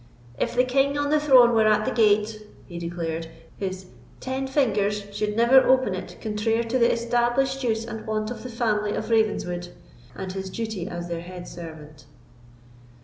"If the king on the throne were at the gate," he declared, "his ten fingers should never open it contrair to the established use and wont of the family of Ravenswood, and his duty as their head servant."